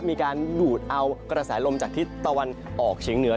มีการดูดเอากระแสลมจากทิศตะวันออกเฉียงเหนือ